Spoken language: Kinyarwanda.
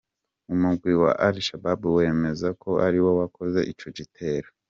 Umugwi wa Al Shabab wemeza ko ari wo wakoze ico gitero.